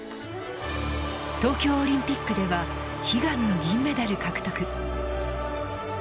東京オリンピックでは悲願の銀メダル獲得。